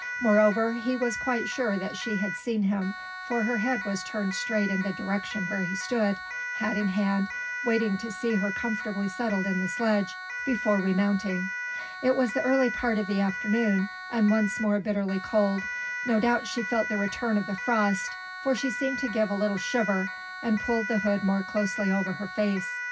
Moreover he was quite sure that she had seen him, for her head was turned straight in the direction where he stood, hat in hand, waiting to see her comfortably settled in the sledge, before remounting. It was in the early part of the afternoon and once more bitterly cold no doubt she felt the return of the frost, for she seemed to give a little shiver and pulled the hood more closely over her face.